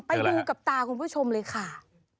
ไปดูกับตาคุณผู้ชมเลยค่ะ